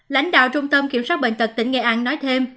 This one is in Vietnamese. lãnh đạo trung tâm kiểm soát bệnh tật tỉnh nghệ an nói thêm